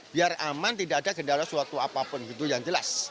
biar aman tidak ada gendala suatu apapun gitu yang jelas